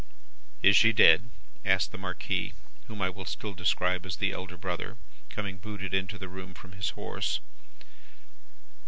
"'Is she dead?' asked the Marquis, whom I will still describe as the elder brother, coming booted into the room from his horse.